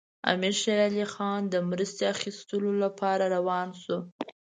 امیر شېر علي خان د مرستې اخیستلو لپاره روان شو.